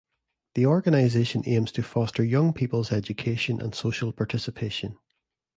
The organisation aims to foster young people's education and social participation.